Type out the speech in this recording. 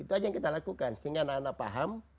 itu saja yang kita lakukan sehingga anak anak paham